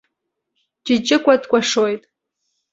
Ҷыҷыкәа дкәашоит.